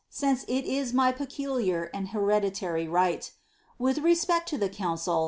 nce it is my peculiar and hereditary right. With respect to the coun cil.